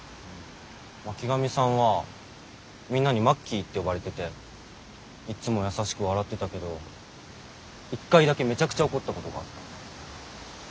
巻上さんはみんなにマッキーって呼ばれてていっつも優しく笑ってたけど一回だけめちゃくちゃ怒ったことがあった。